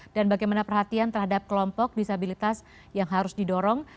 dan bagaimana perhatian terhadap kelompok disabilitas yang harus didorong